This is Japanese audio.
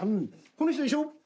この人でしょ？